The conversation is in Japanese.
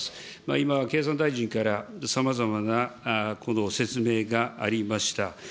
今、経産大臣からさまざまな説明がありました。